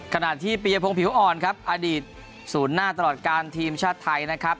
ขณะที่ปียพงศ์ผิวอ่อนครับอดีตศูนย์หน้าตลอดการทีมชาติไทยนะครับ